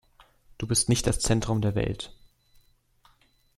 Du bist nicht das Zentrum der Welt!